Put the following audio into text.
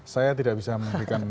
saya tidak bisa memberikan